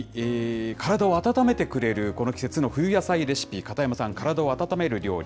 体を温めてくれるこの季節の冬野菜レシピ、片山さん、体を温める料理。